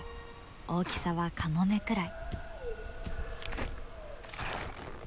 大きさはカモメくらい。